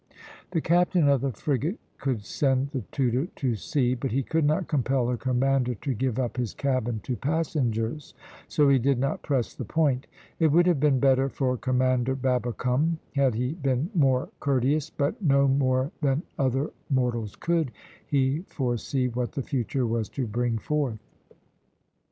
The captain of the frigate could send the Tudor to sea, but he could not compel her commander to give up his cabin to passengers, so he did not press the point. It would have been better for Commander Babbicome had he been more courteous, but no more than other mortals could he foresee what the future was to bring forth.